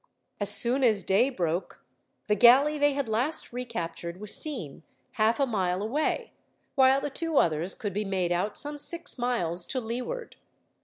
As soon as day broke, the galley they had last recaptured was seen, half a mile away, while the two others could be made out some six miles to leeward.